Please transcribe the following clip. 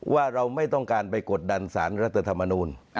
ว่าเราไม่ต้องการไปกดดันสารรัฐธรรมนูล